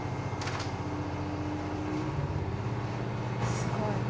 すごい。